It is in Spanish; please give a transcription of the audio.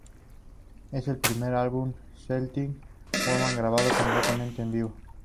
Es el primer álbum de Celtic Woman grabado completamente en vivo.